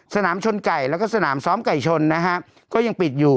สนามชนไก่แล้วก็สนามซ้อมไก่ชนนะฮะก็ยังปิดอยู่